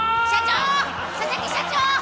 社長！